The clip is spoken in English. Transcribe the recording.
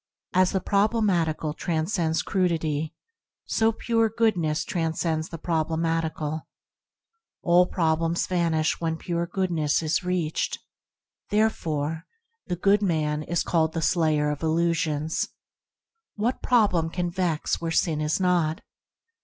As the problematical transcends crudity, so Pure Goodness transcends the prob lematical. All problems vanish when Pure Goodness is reached; therefore the good THE "ORIGINAL SIMPLICITY" 105 man is called "the slayer of illusions. " What problem can vex where sin is not